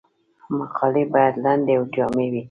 مقالې باید لنډې او جامع وي.